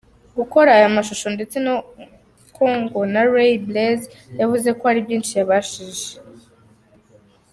gukora aya mashusho ndetse ko ngo na Ray Blaze yavuze ko hari byinshi yabashije.